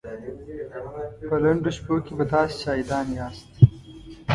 په لنډو شپو کې به تاسې شاهدان ياست.